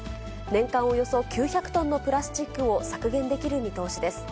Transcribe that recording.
年間およそ９００トンのプラスチックを削減できる見通しです。